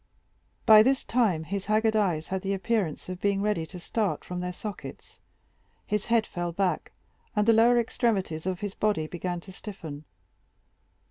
By this time his haggard eyes had the appearance of being ready to start from their sockets; his head fell back, and the lower extremities of the body began to stiffen.